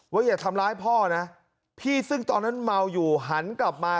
อย่าทำร้ายพ่อนะพี่ซึ่งตอนนั้นเมาอยู่หันกลับมา